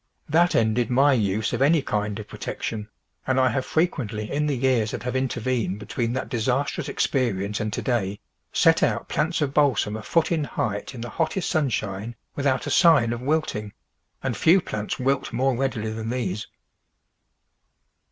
That ended TRANSPLANTING my use of any kind of protection, and I have fre quently, in the years that have intervened between that disastrous experience and to day, set out plants of balsam a foot in height in the hottest sunshine without a sign of wilting — and few plants wilt more readily than these.